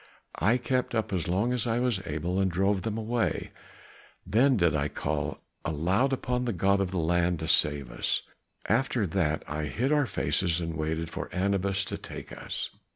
I kept up as long as I was able and drove them away, then did I call aloud upon the god of the land to save us; after that I hid our faces, and waited for Anubis to take us."